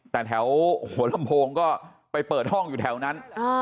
แต่แถวหัวลำโพงก็ไปเปิดห้องอยู่แถวนั้น